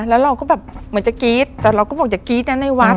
แล้วเราก็แบบเหมือนจะกรี๊ดแต่เราก็บอกอย่ากรี๊ดนะในวัด